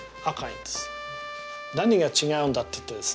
何が違うんだって言ったらですね